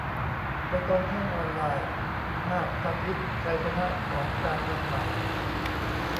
'ใบตองแห้ง' ออนไลน์ :"มาบตาพิษ" ชัยชนะ ? ของ "การเมืองใหม่"